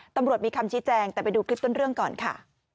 ตำรวจมีคำชี้แจงแต่ไปดูคลิปต้นเรื่องก่อนค่ะ